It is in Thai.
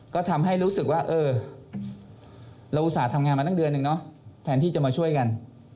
ก็ทำให้รู้สึกว่าเออเราอุตส่าห์ทำงานมาตั้งเดือนนึงเนาะแทนที่จะมาช่วยกัน